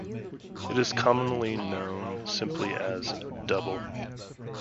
It is commonly known simply as "double".